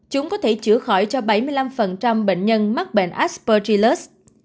chúng có thể chữa khỏi cho bảy mươi năm bệnh nhân mắc bệnh aspergillus